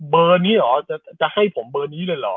เบอร์นี้เหรอจะให้ผมเบอร์นี้เลยเหรอ